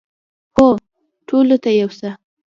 هو، ټولو ته یو څه